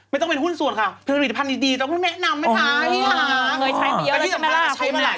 ไม่ต้องเป็นหุ้นสวนค่ะผลิตภัณฑ์ดีต้องพี่แม่นำไหมคะพี่หลัง